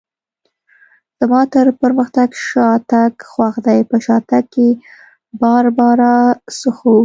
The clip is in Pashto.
زما تر پرمختګ شاتګ خوښ دی، په شاتګ کې باربرا څښو.